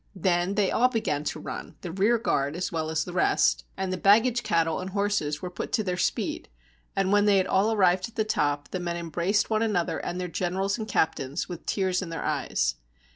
Then they all began to run, the rear guard as well as the rest, 175 GREECE and the baggage cattle and horses were put to their speed; and when they had all arrived at the top, the men embraced one another and their generals and cap tains, with tears in their eyes.